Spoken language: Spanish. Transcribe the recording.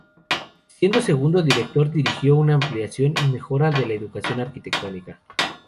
Siendo segundo director dirigió una ampliación y mejora de la educación arquitectónica.